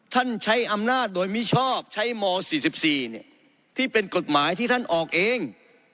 ใช้อำนาจโดยมิชอบใช้ม๔๔ที่เป็นกฎหมายที่ท่านออกเอง